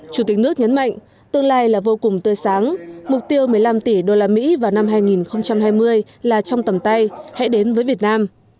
chủ tịch nước nhấn mạnh tương lai là vô cùng tươi sáng mục tiêu một mươi năm tỷ usd vào năm hai nghìn hai mươi là trong tầm tay hãy đến với việt nam